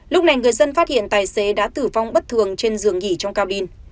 lúc này người dân phát hiện tài xế đã tử vong bất thường trên giường nhỉ trong cabin